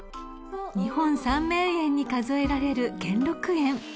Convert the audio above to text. ［日本三名園に数えられる兼六園］